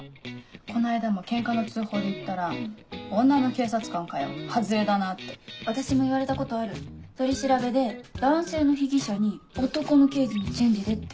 この間もケンカの通報で行ったら「女の警察官かよハズレだな」って。私も言われたことある取り調べで男性の被疑者に「男の刑事にチェンジで」って。